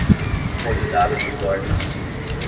Olho d'Água do Borges